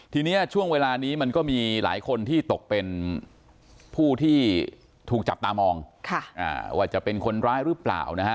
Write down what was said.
ทีนี้ช่วงเวลานี้มันก็มีหลายคนที่ตกเป็นผู้ที่ถูกจับตามองว่าจะเป็นคนร้ายหรือเปล่านะฮะ